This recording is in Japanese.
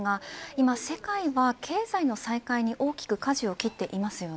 今世界は、経済の再開に大きくかじを切っています。